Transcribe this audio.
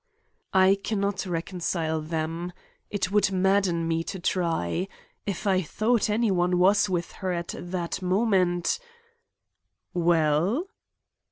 "I can not reconcile them. It would madden me to try. If I thought any one was with her at that moment—" "Well?"